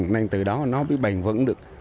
nên từ đó nó biết bền vững được